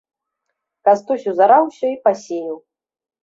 Кастусь узараў усё і пасеяў.